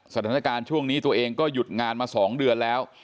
สถานการณ์ช่วงนี้ตัวเองก็หยุดงานมา๒เดือนแล้ว